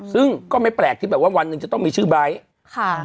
ซึ่งก็ไม่แปลกที่แบบว่าวันหนึ่งจะต้องมีชื่อไบท์ค่ะ